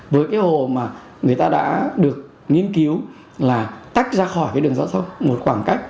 với cái hồ mà người ta đã được nghiên cứu là tách ra khỏi cái đường giao thông một khoảng cách